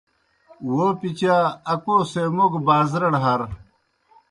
وو پِچا اکو سے موْ گہ بازرَڑ ہر۔